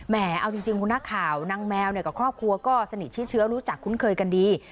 เอาจริงคุณนักข่าวนางแมวกับครอบครัวก็สนิทชื่อเชื้อรู้จักคุ้นเคยกันดี